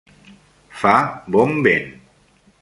Fa bon vent.